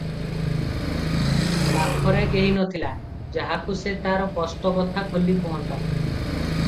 ପାଖରେ କେହି ନଥିଲା- ଯାହାକୁ ସେ ତାର କଷ୍ଟ କଥା ଖୋଲି କହନ୍ତା ।